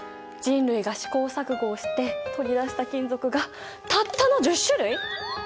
人類が試行錯誤をして取り出した金属がたったの１０種類！？